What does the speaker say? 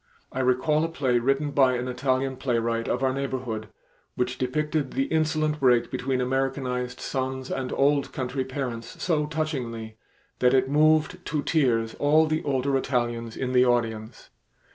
I recall a play written by an Italian playwright of our neighborhood, which depicted the insolent break between Americanized sons and old country parents, so touchingly that it moved to tears all the older Italians in the audience.